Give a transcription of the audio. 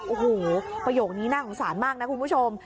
โอ้โหประโยคนี้น่าสงสารมากนะคุณผู้ชม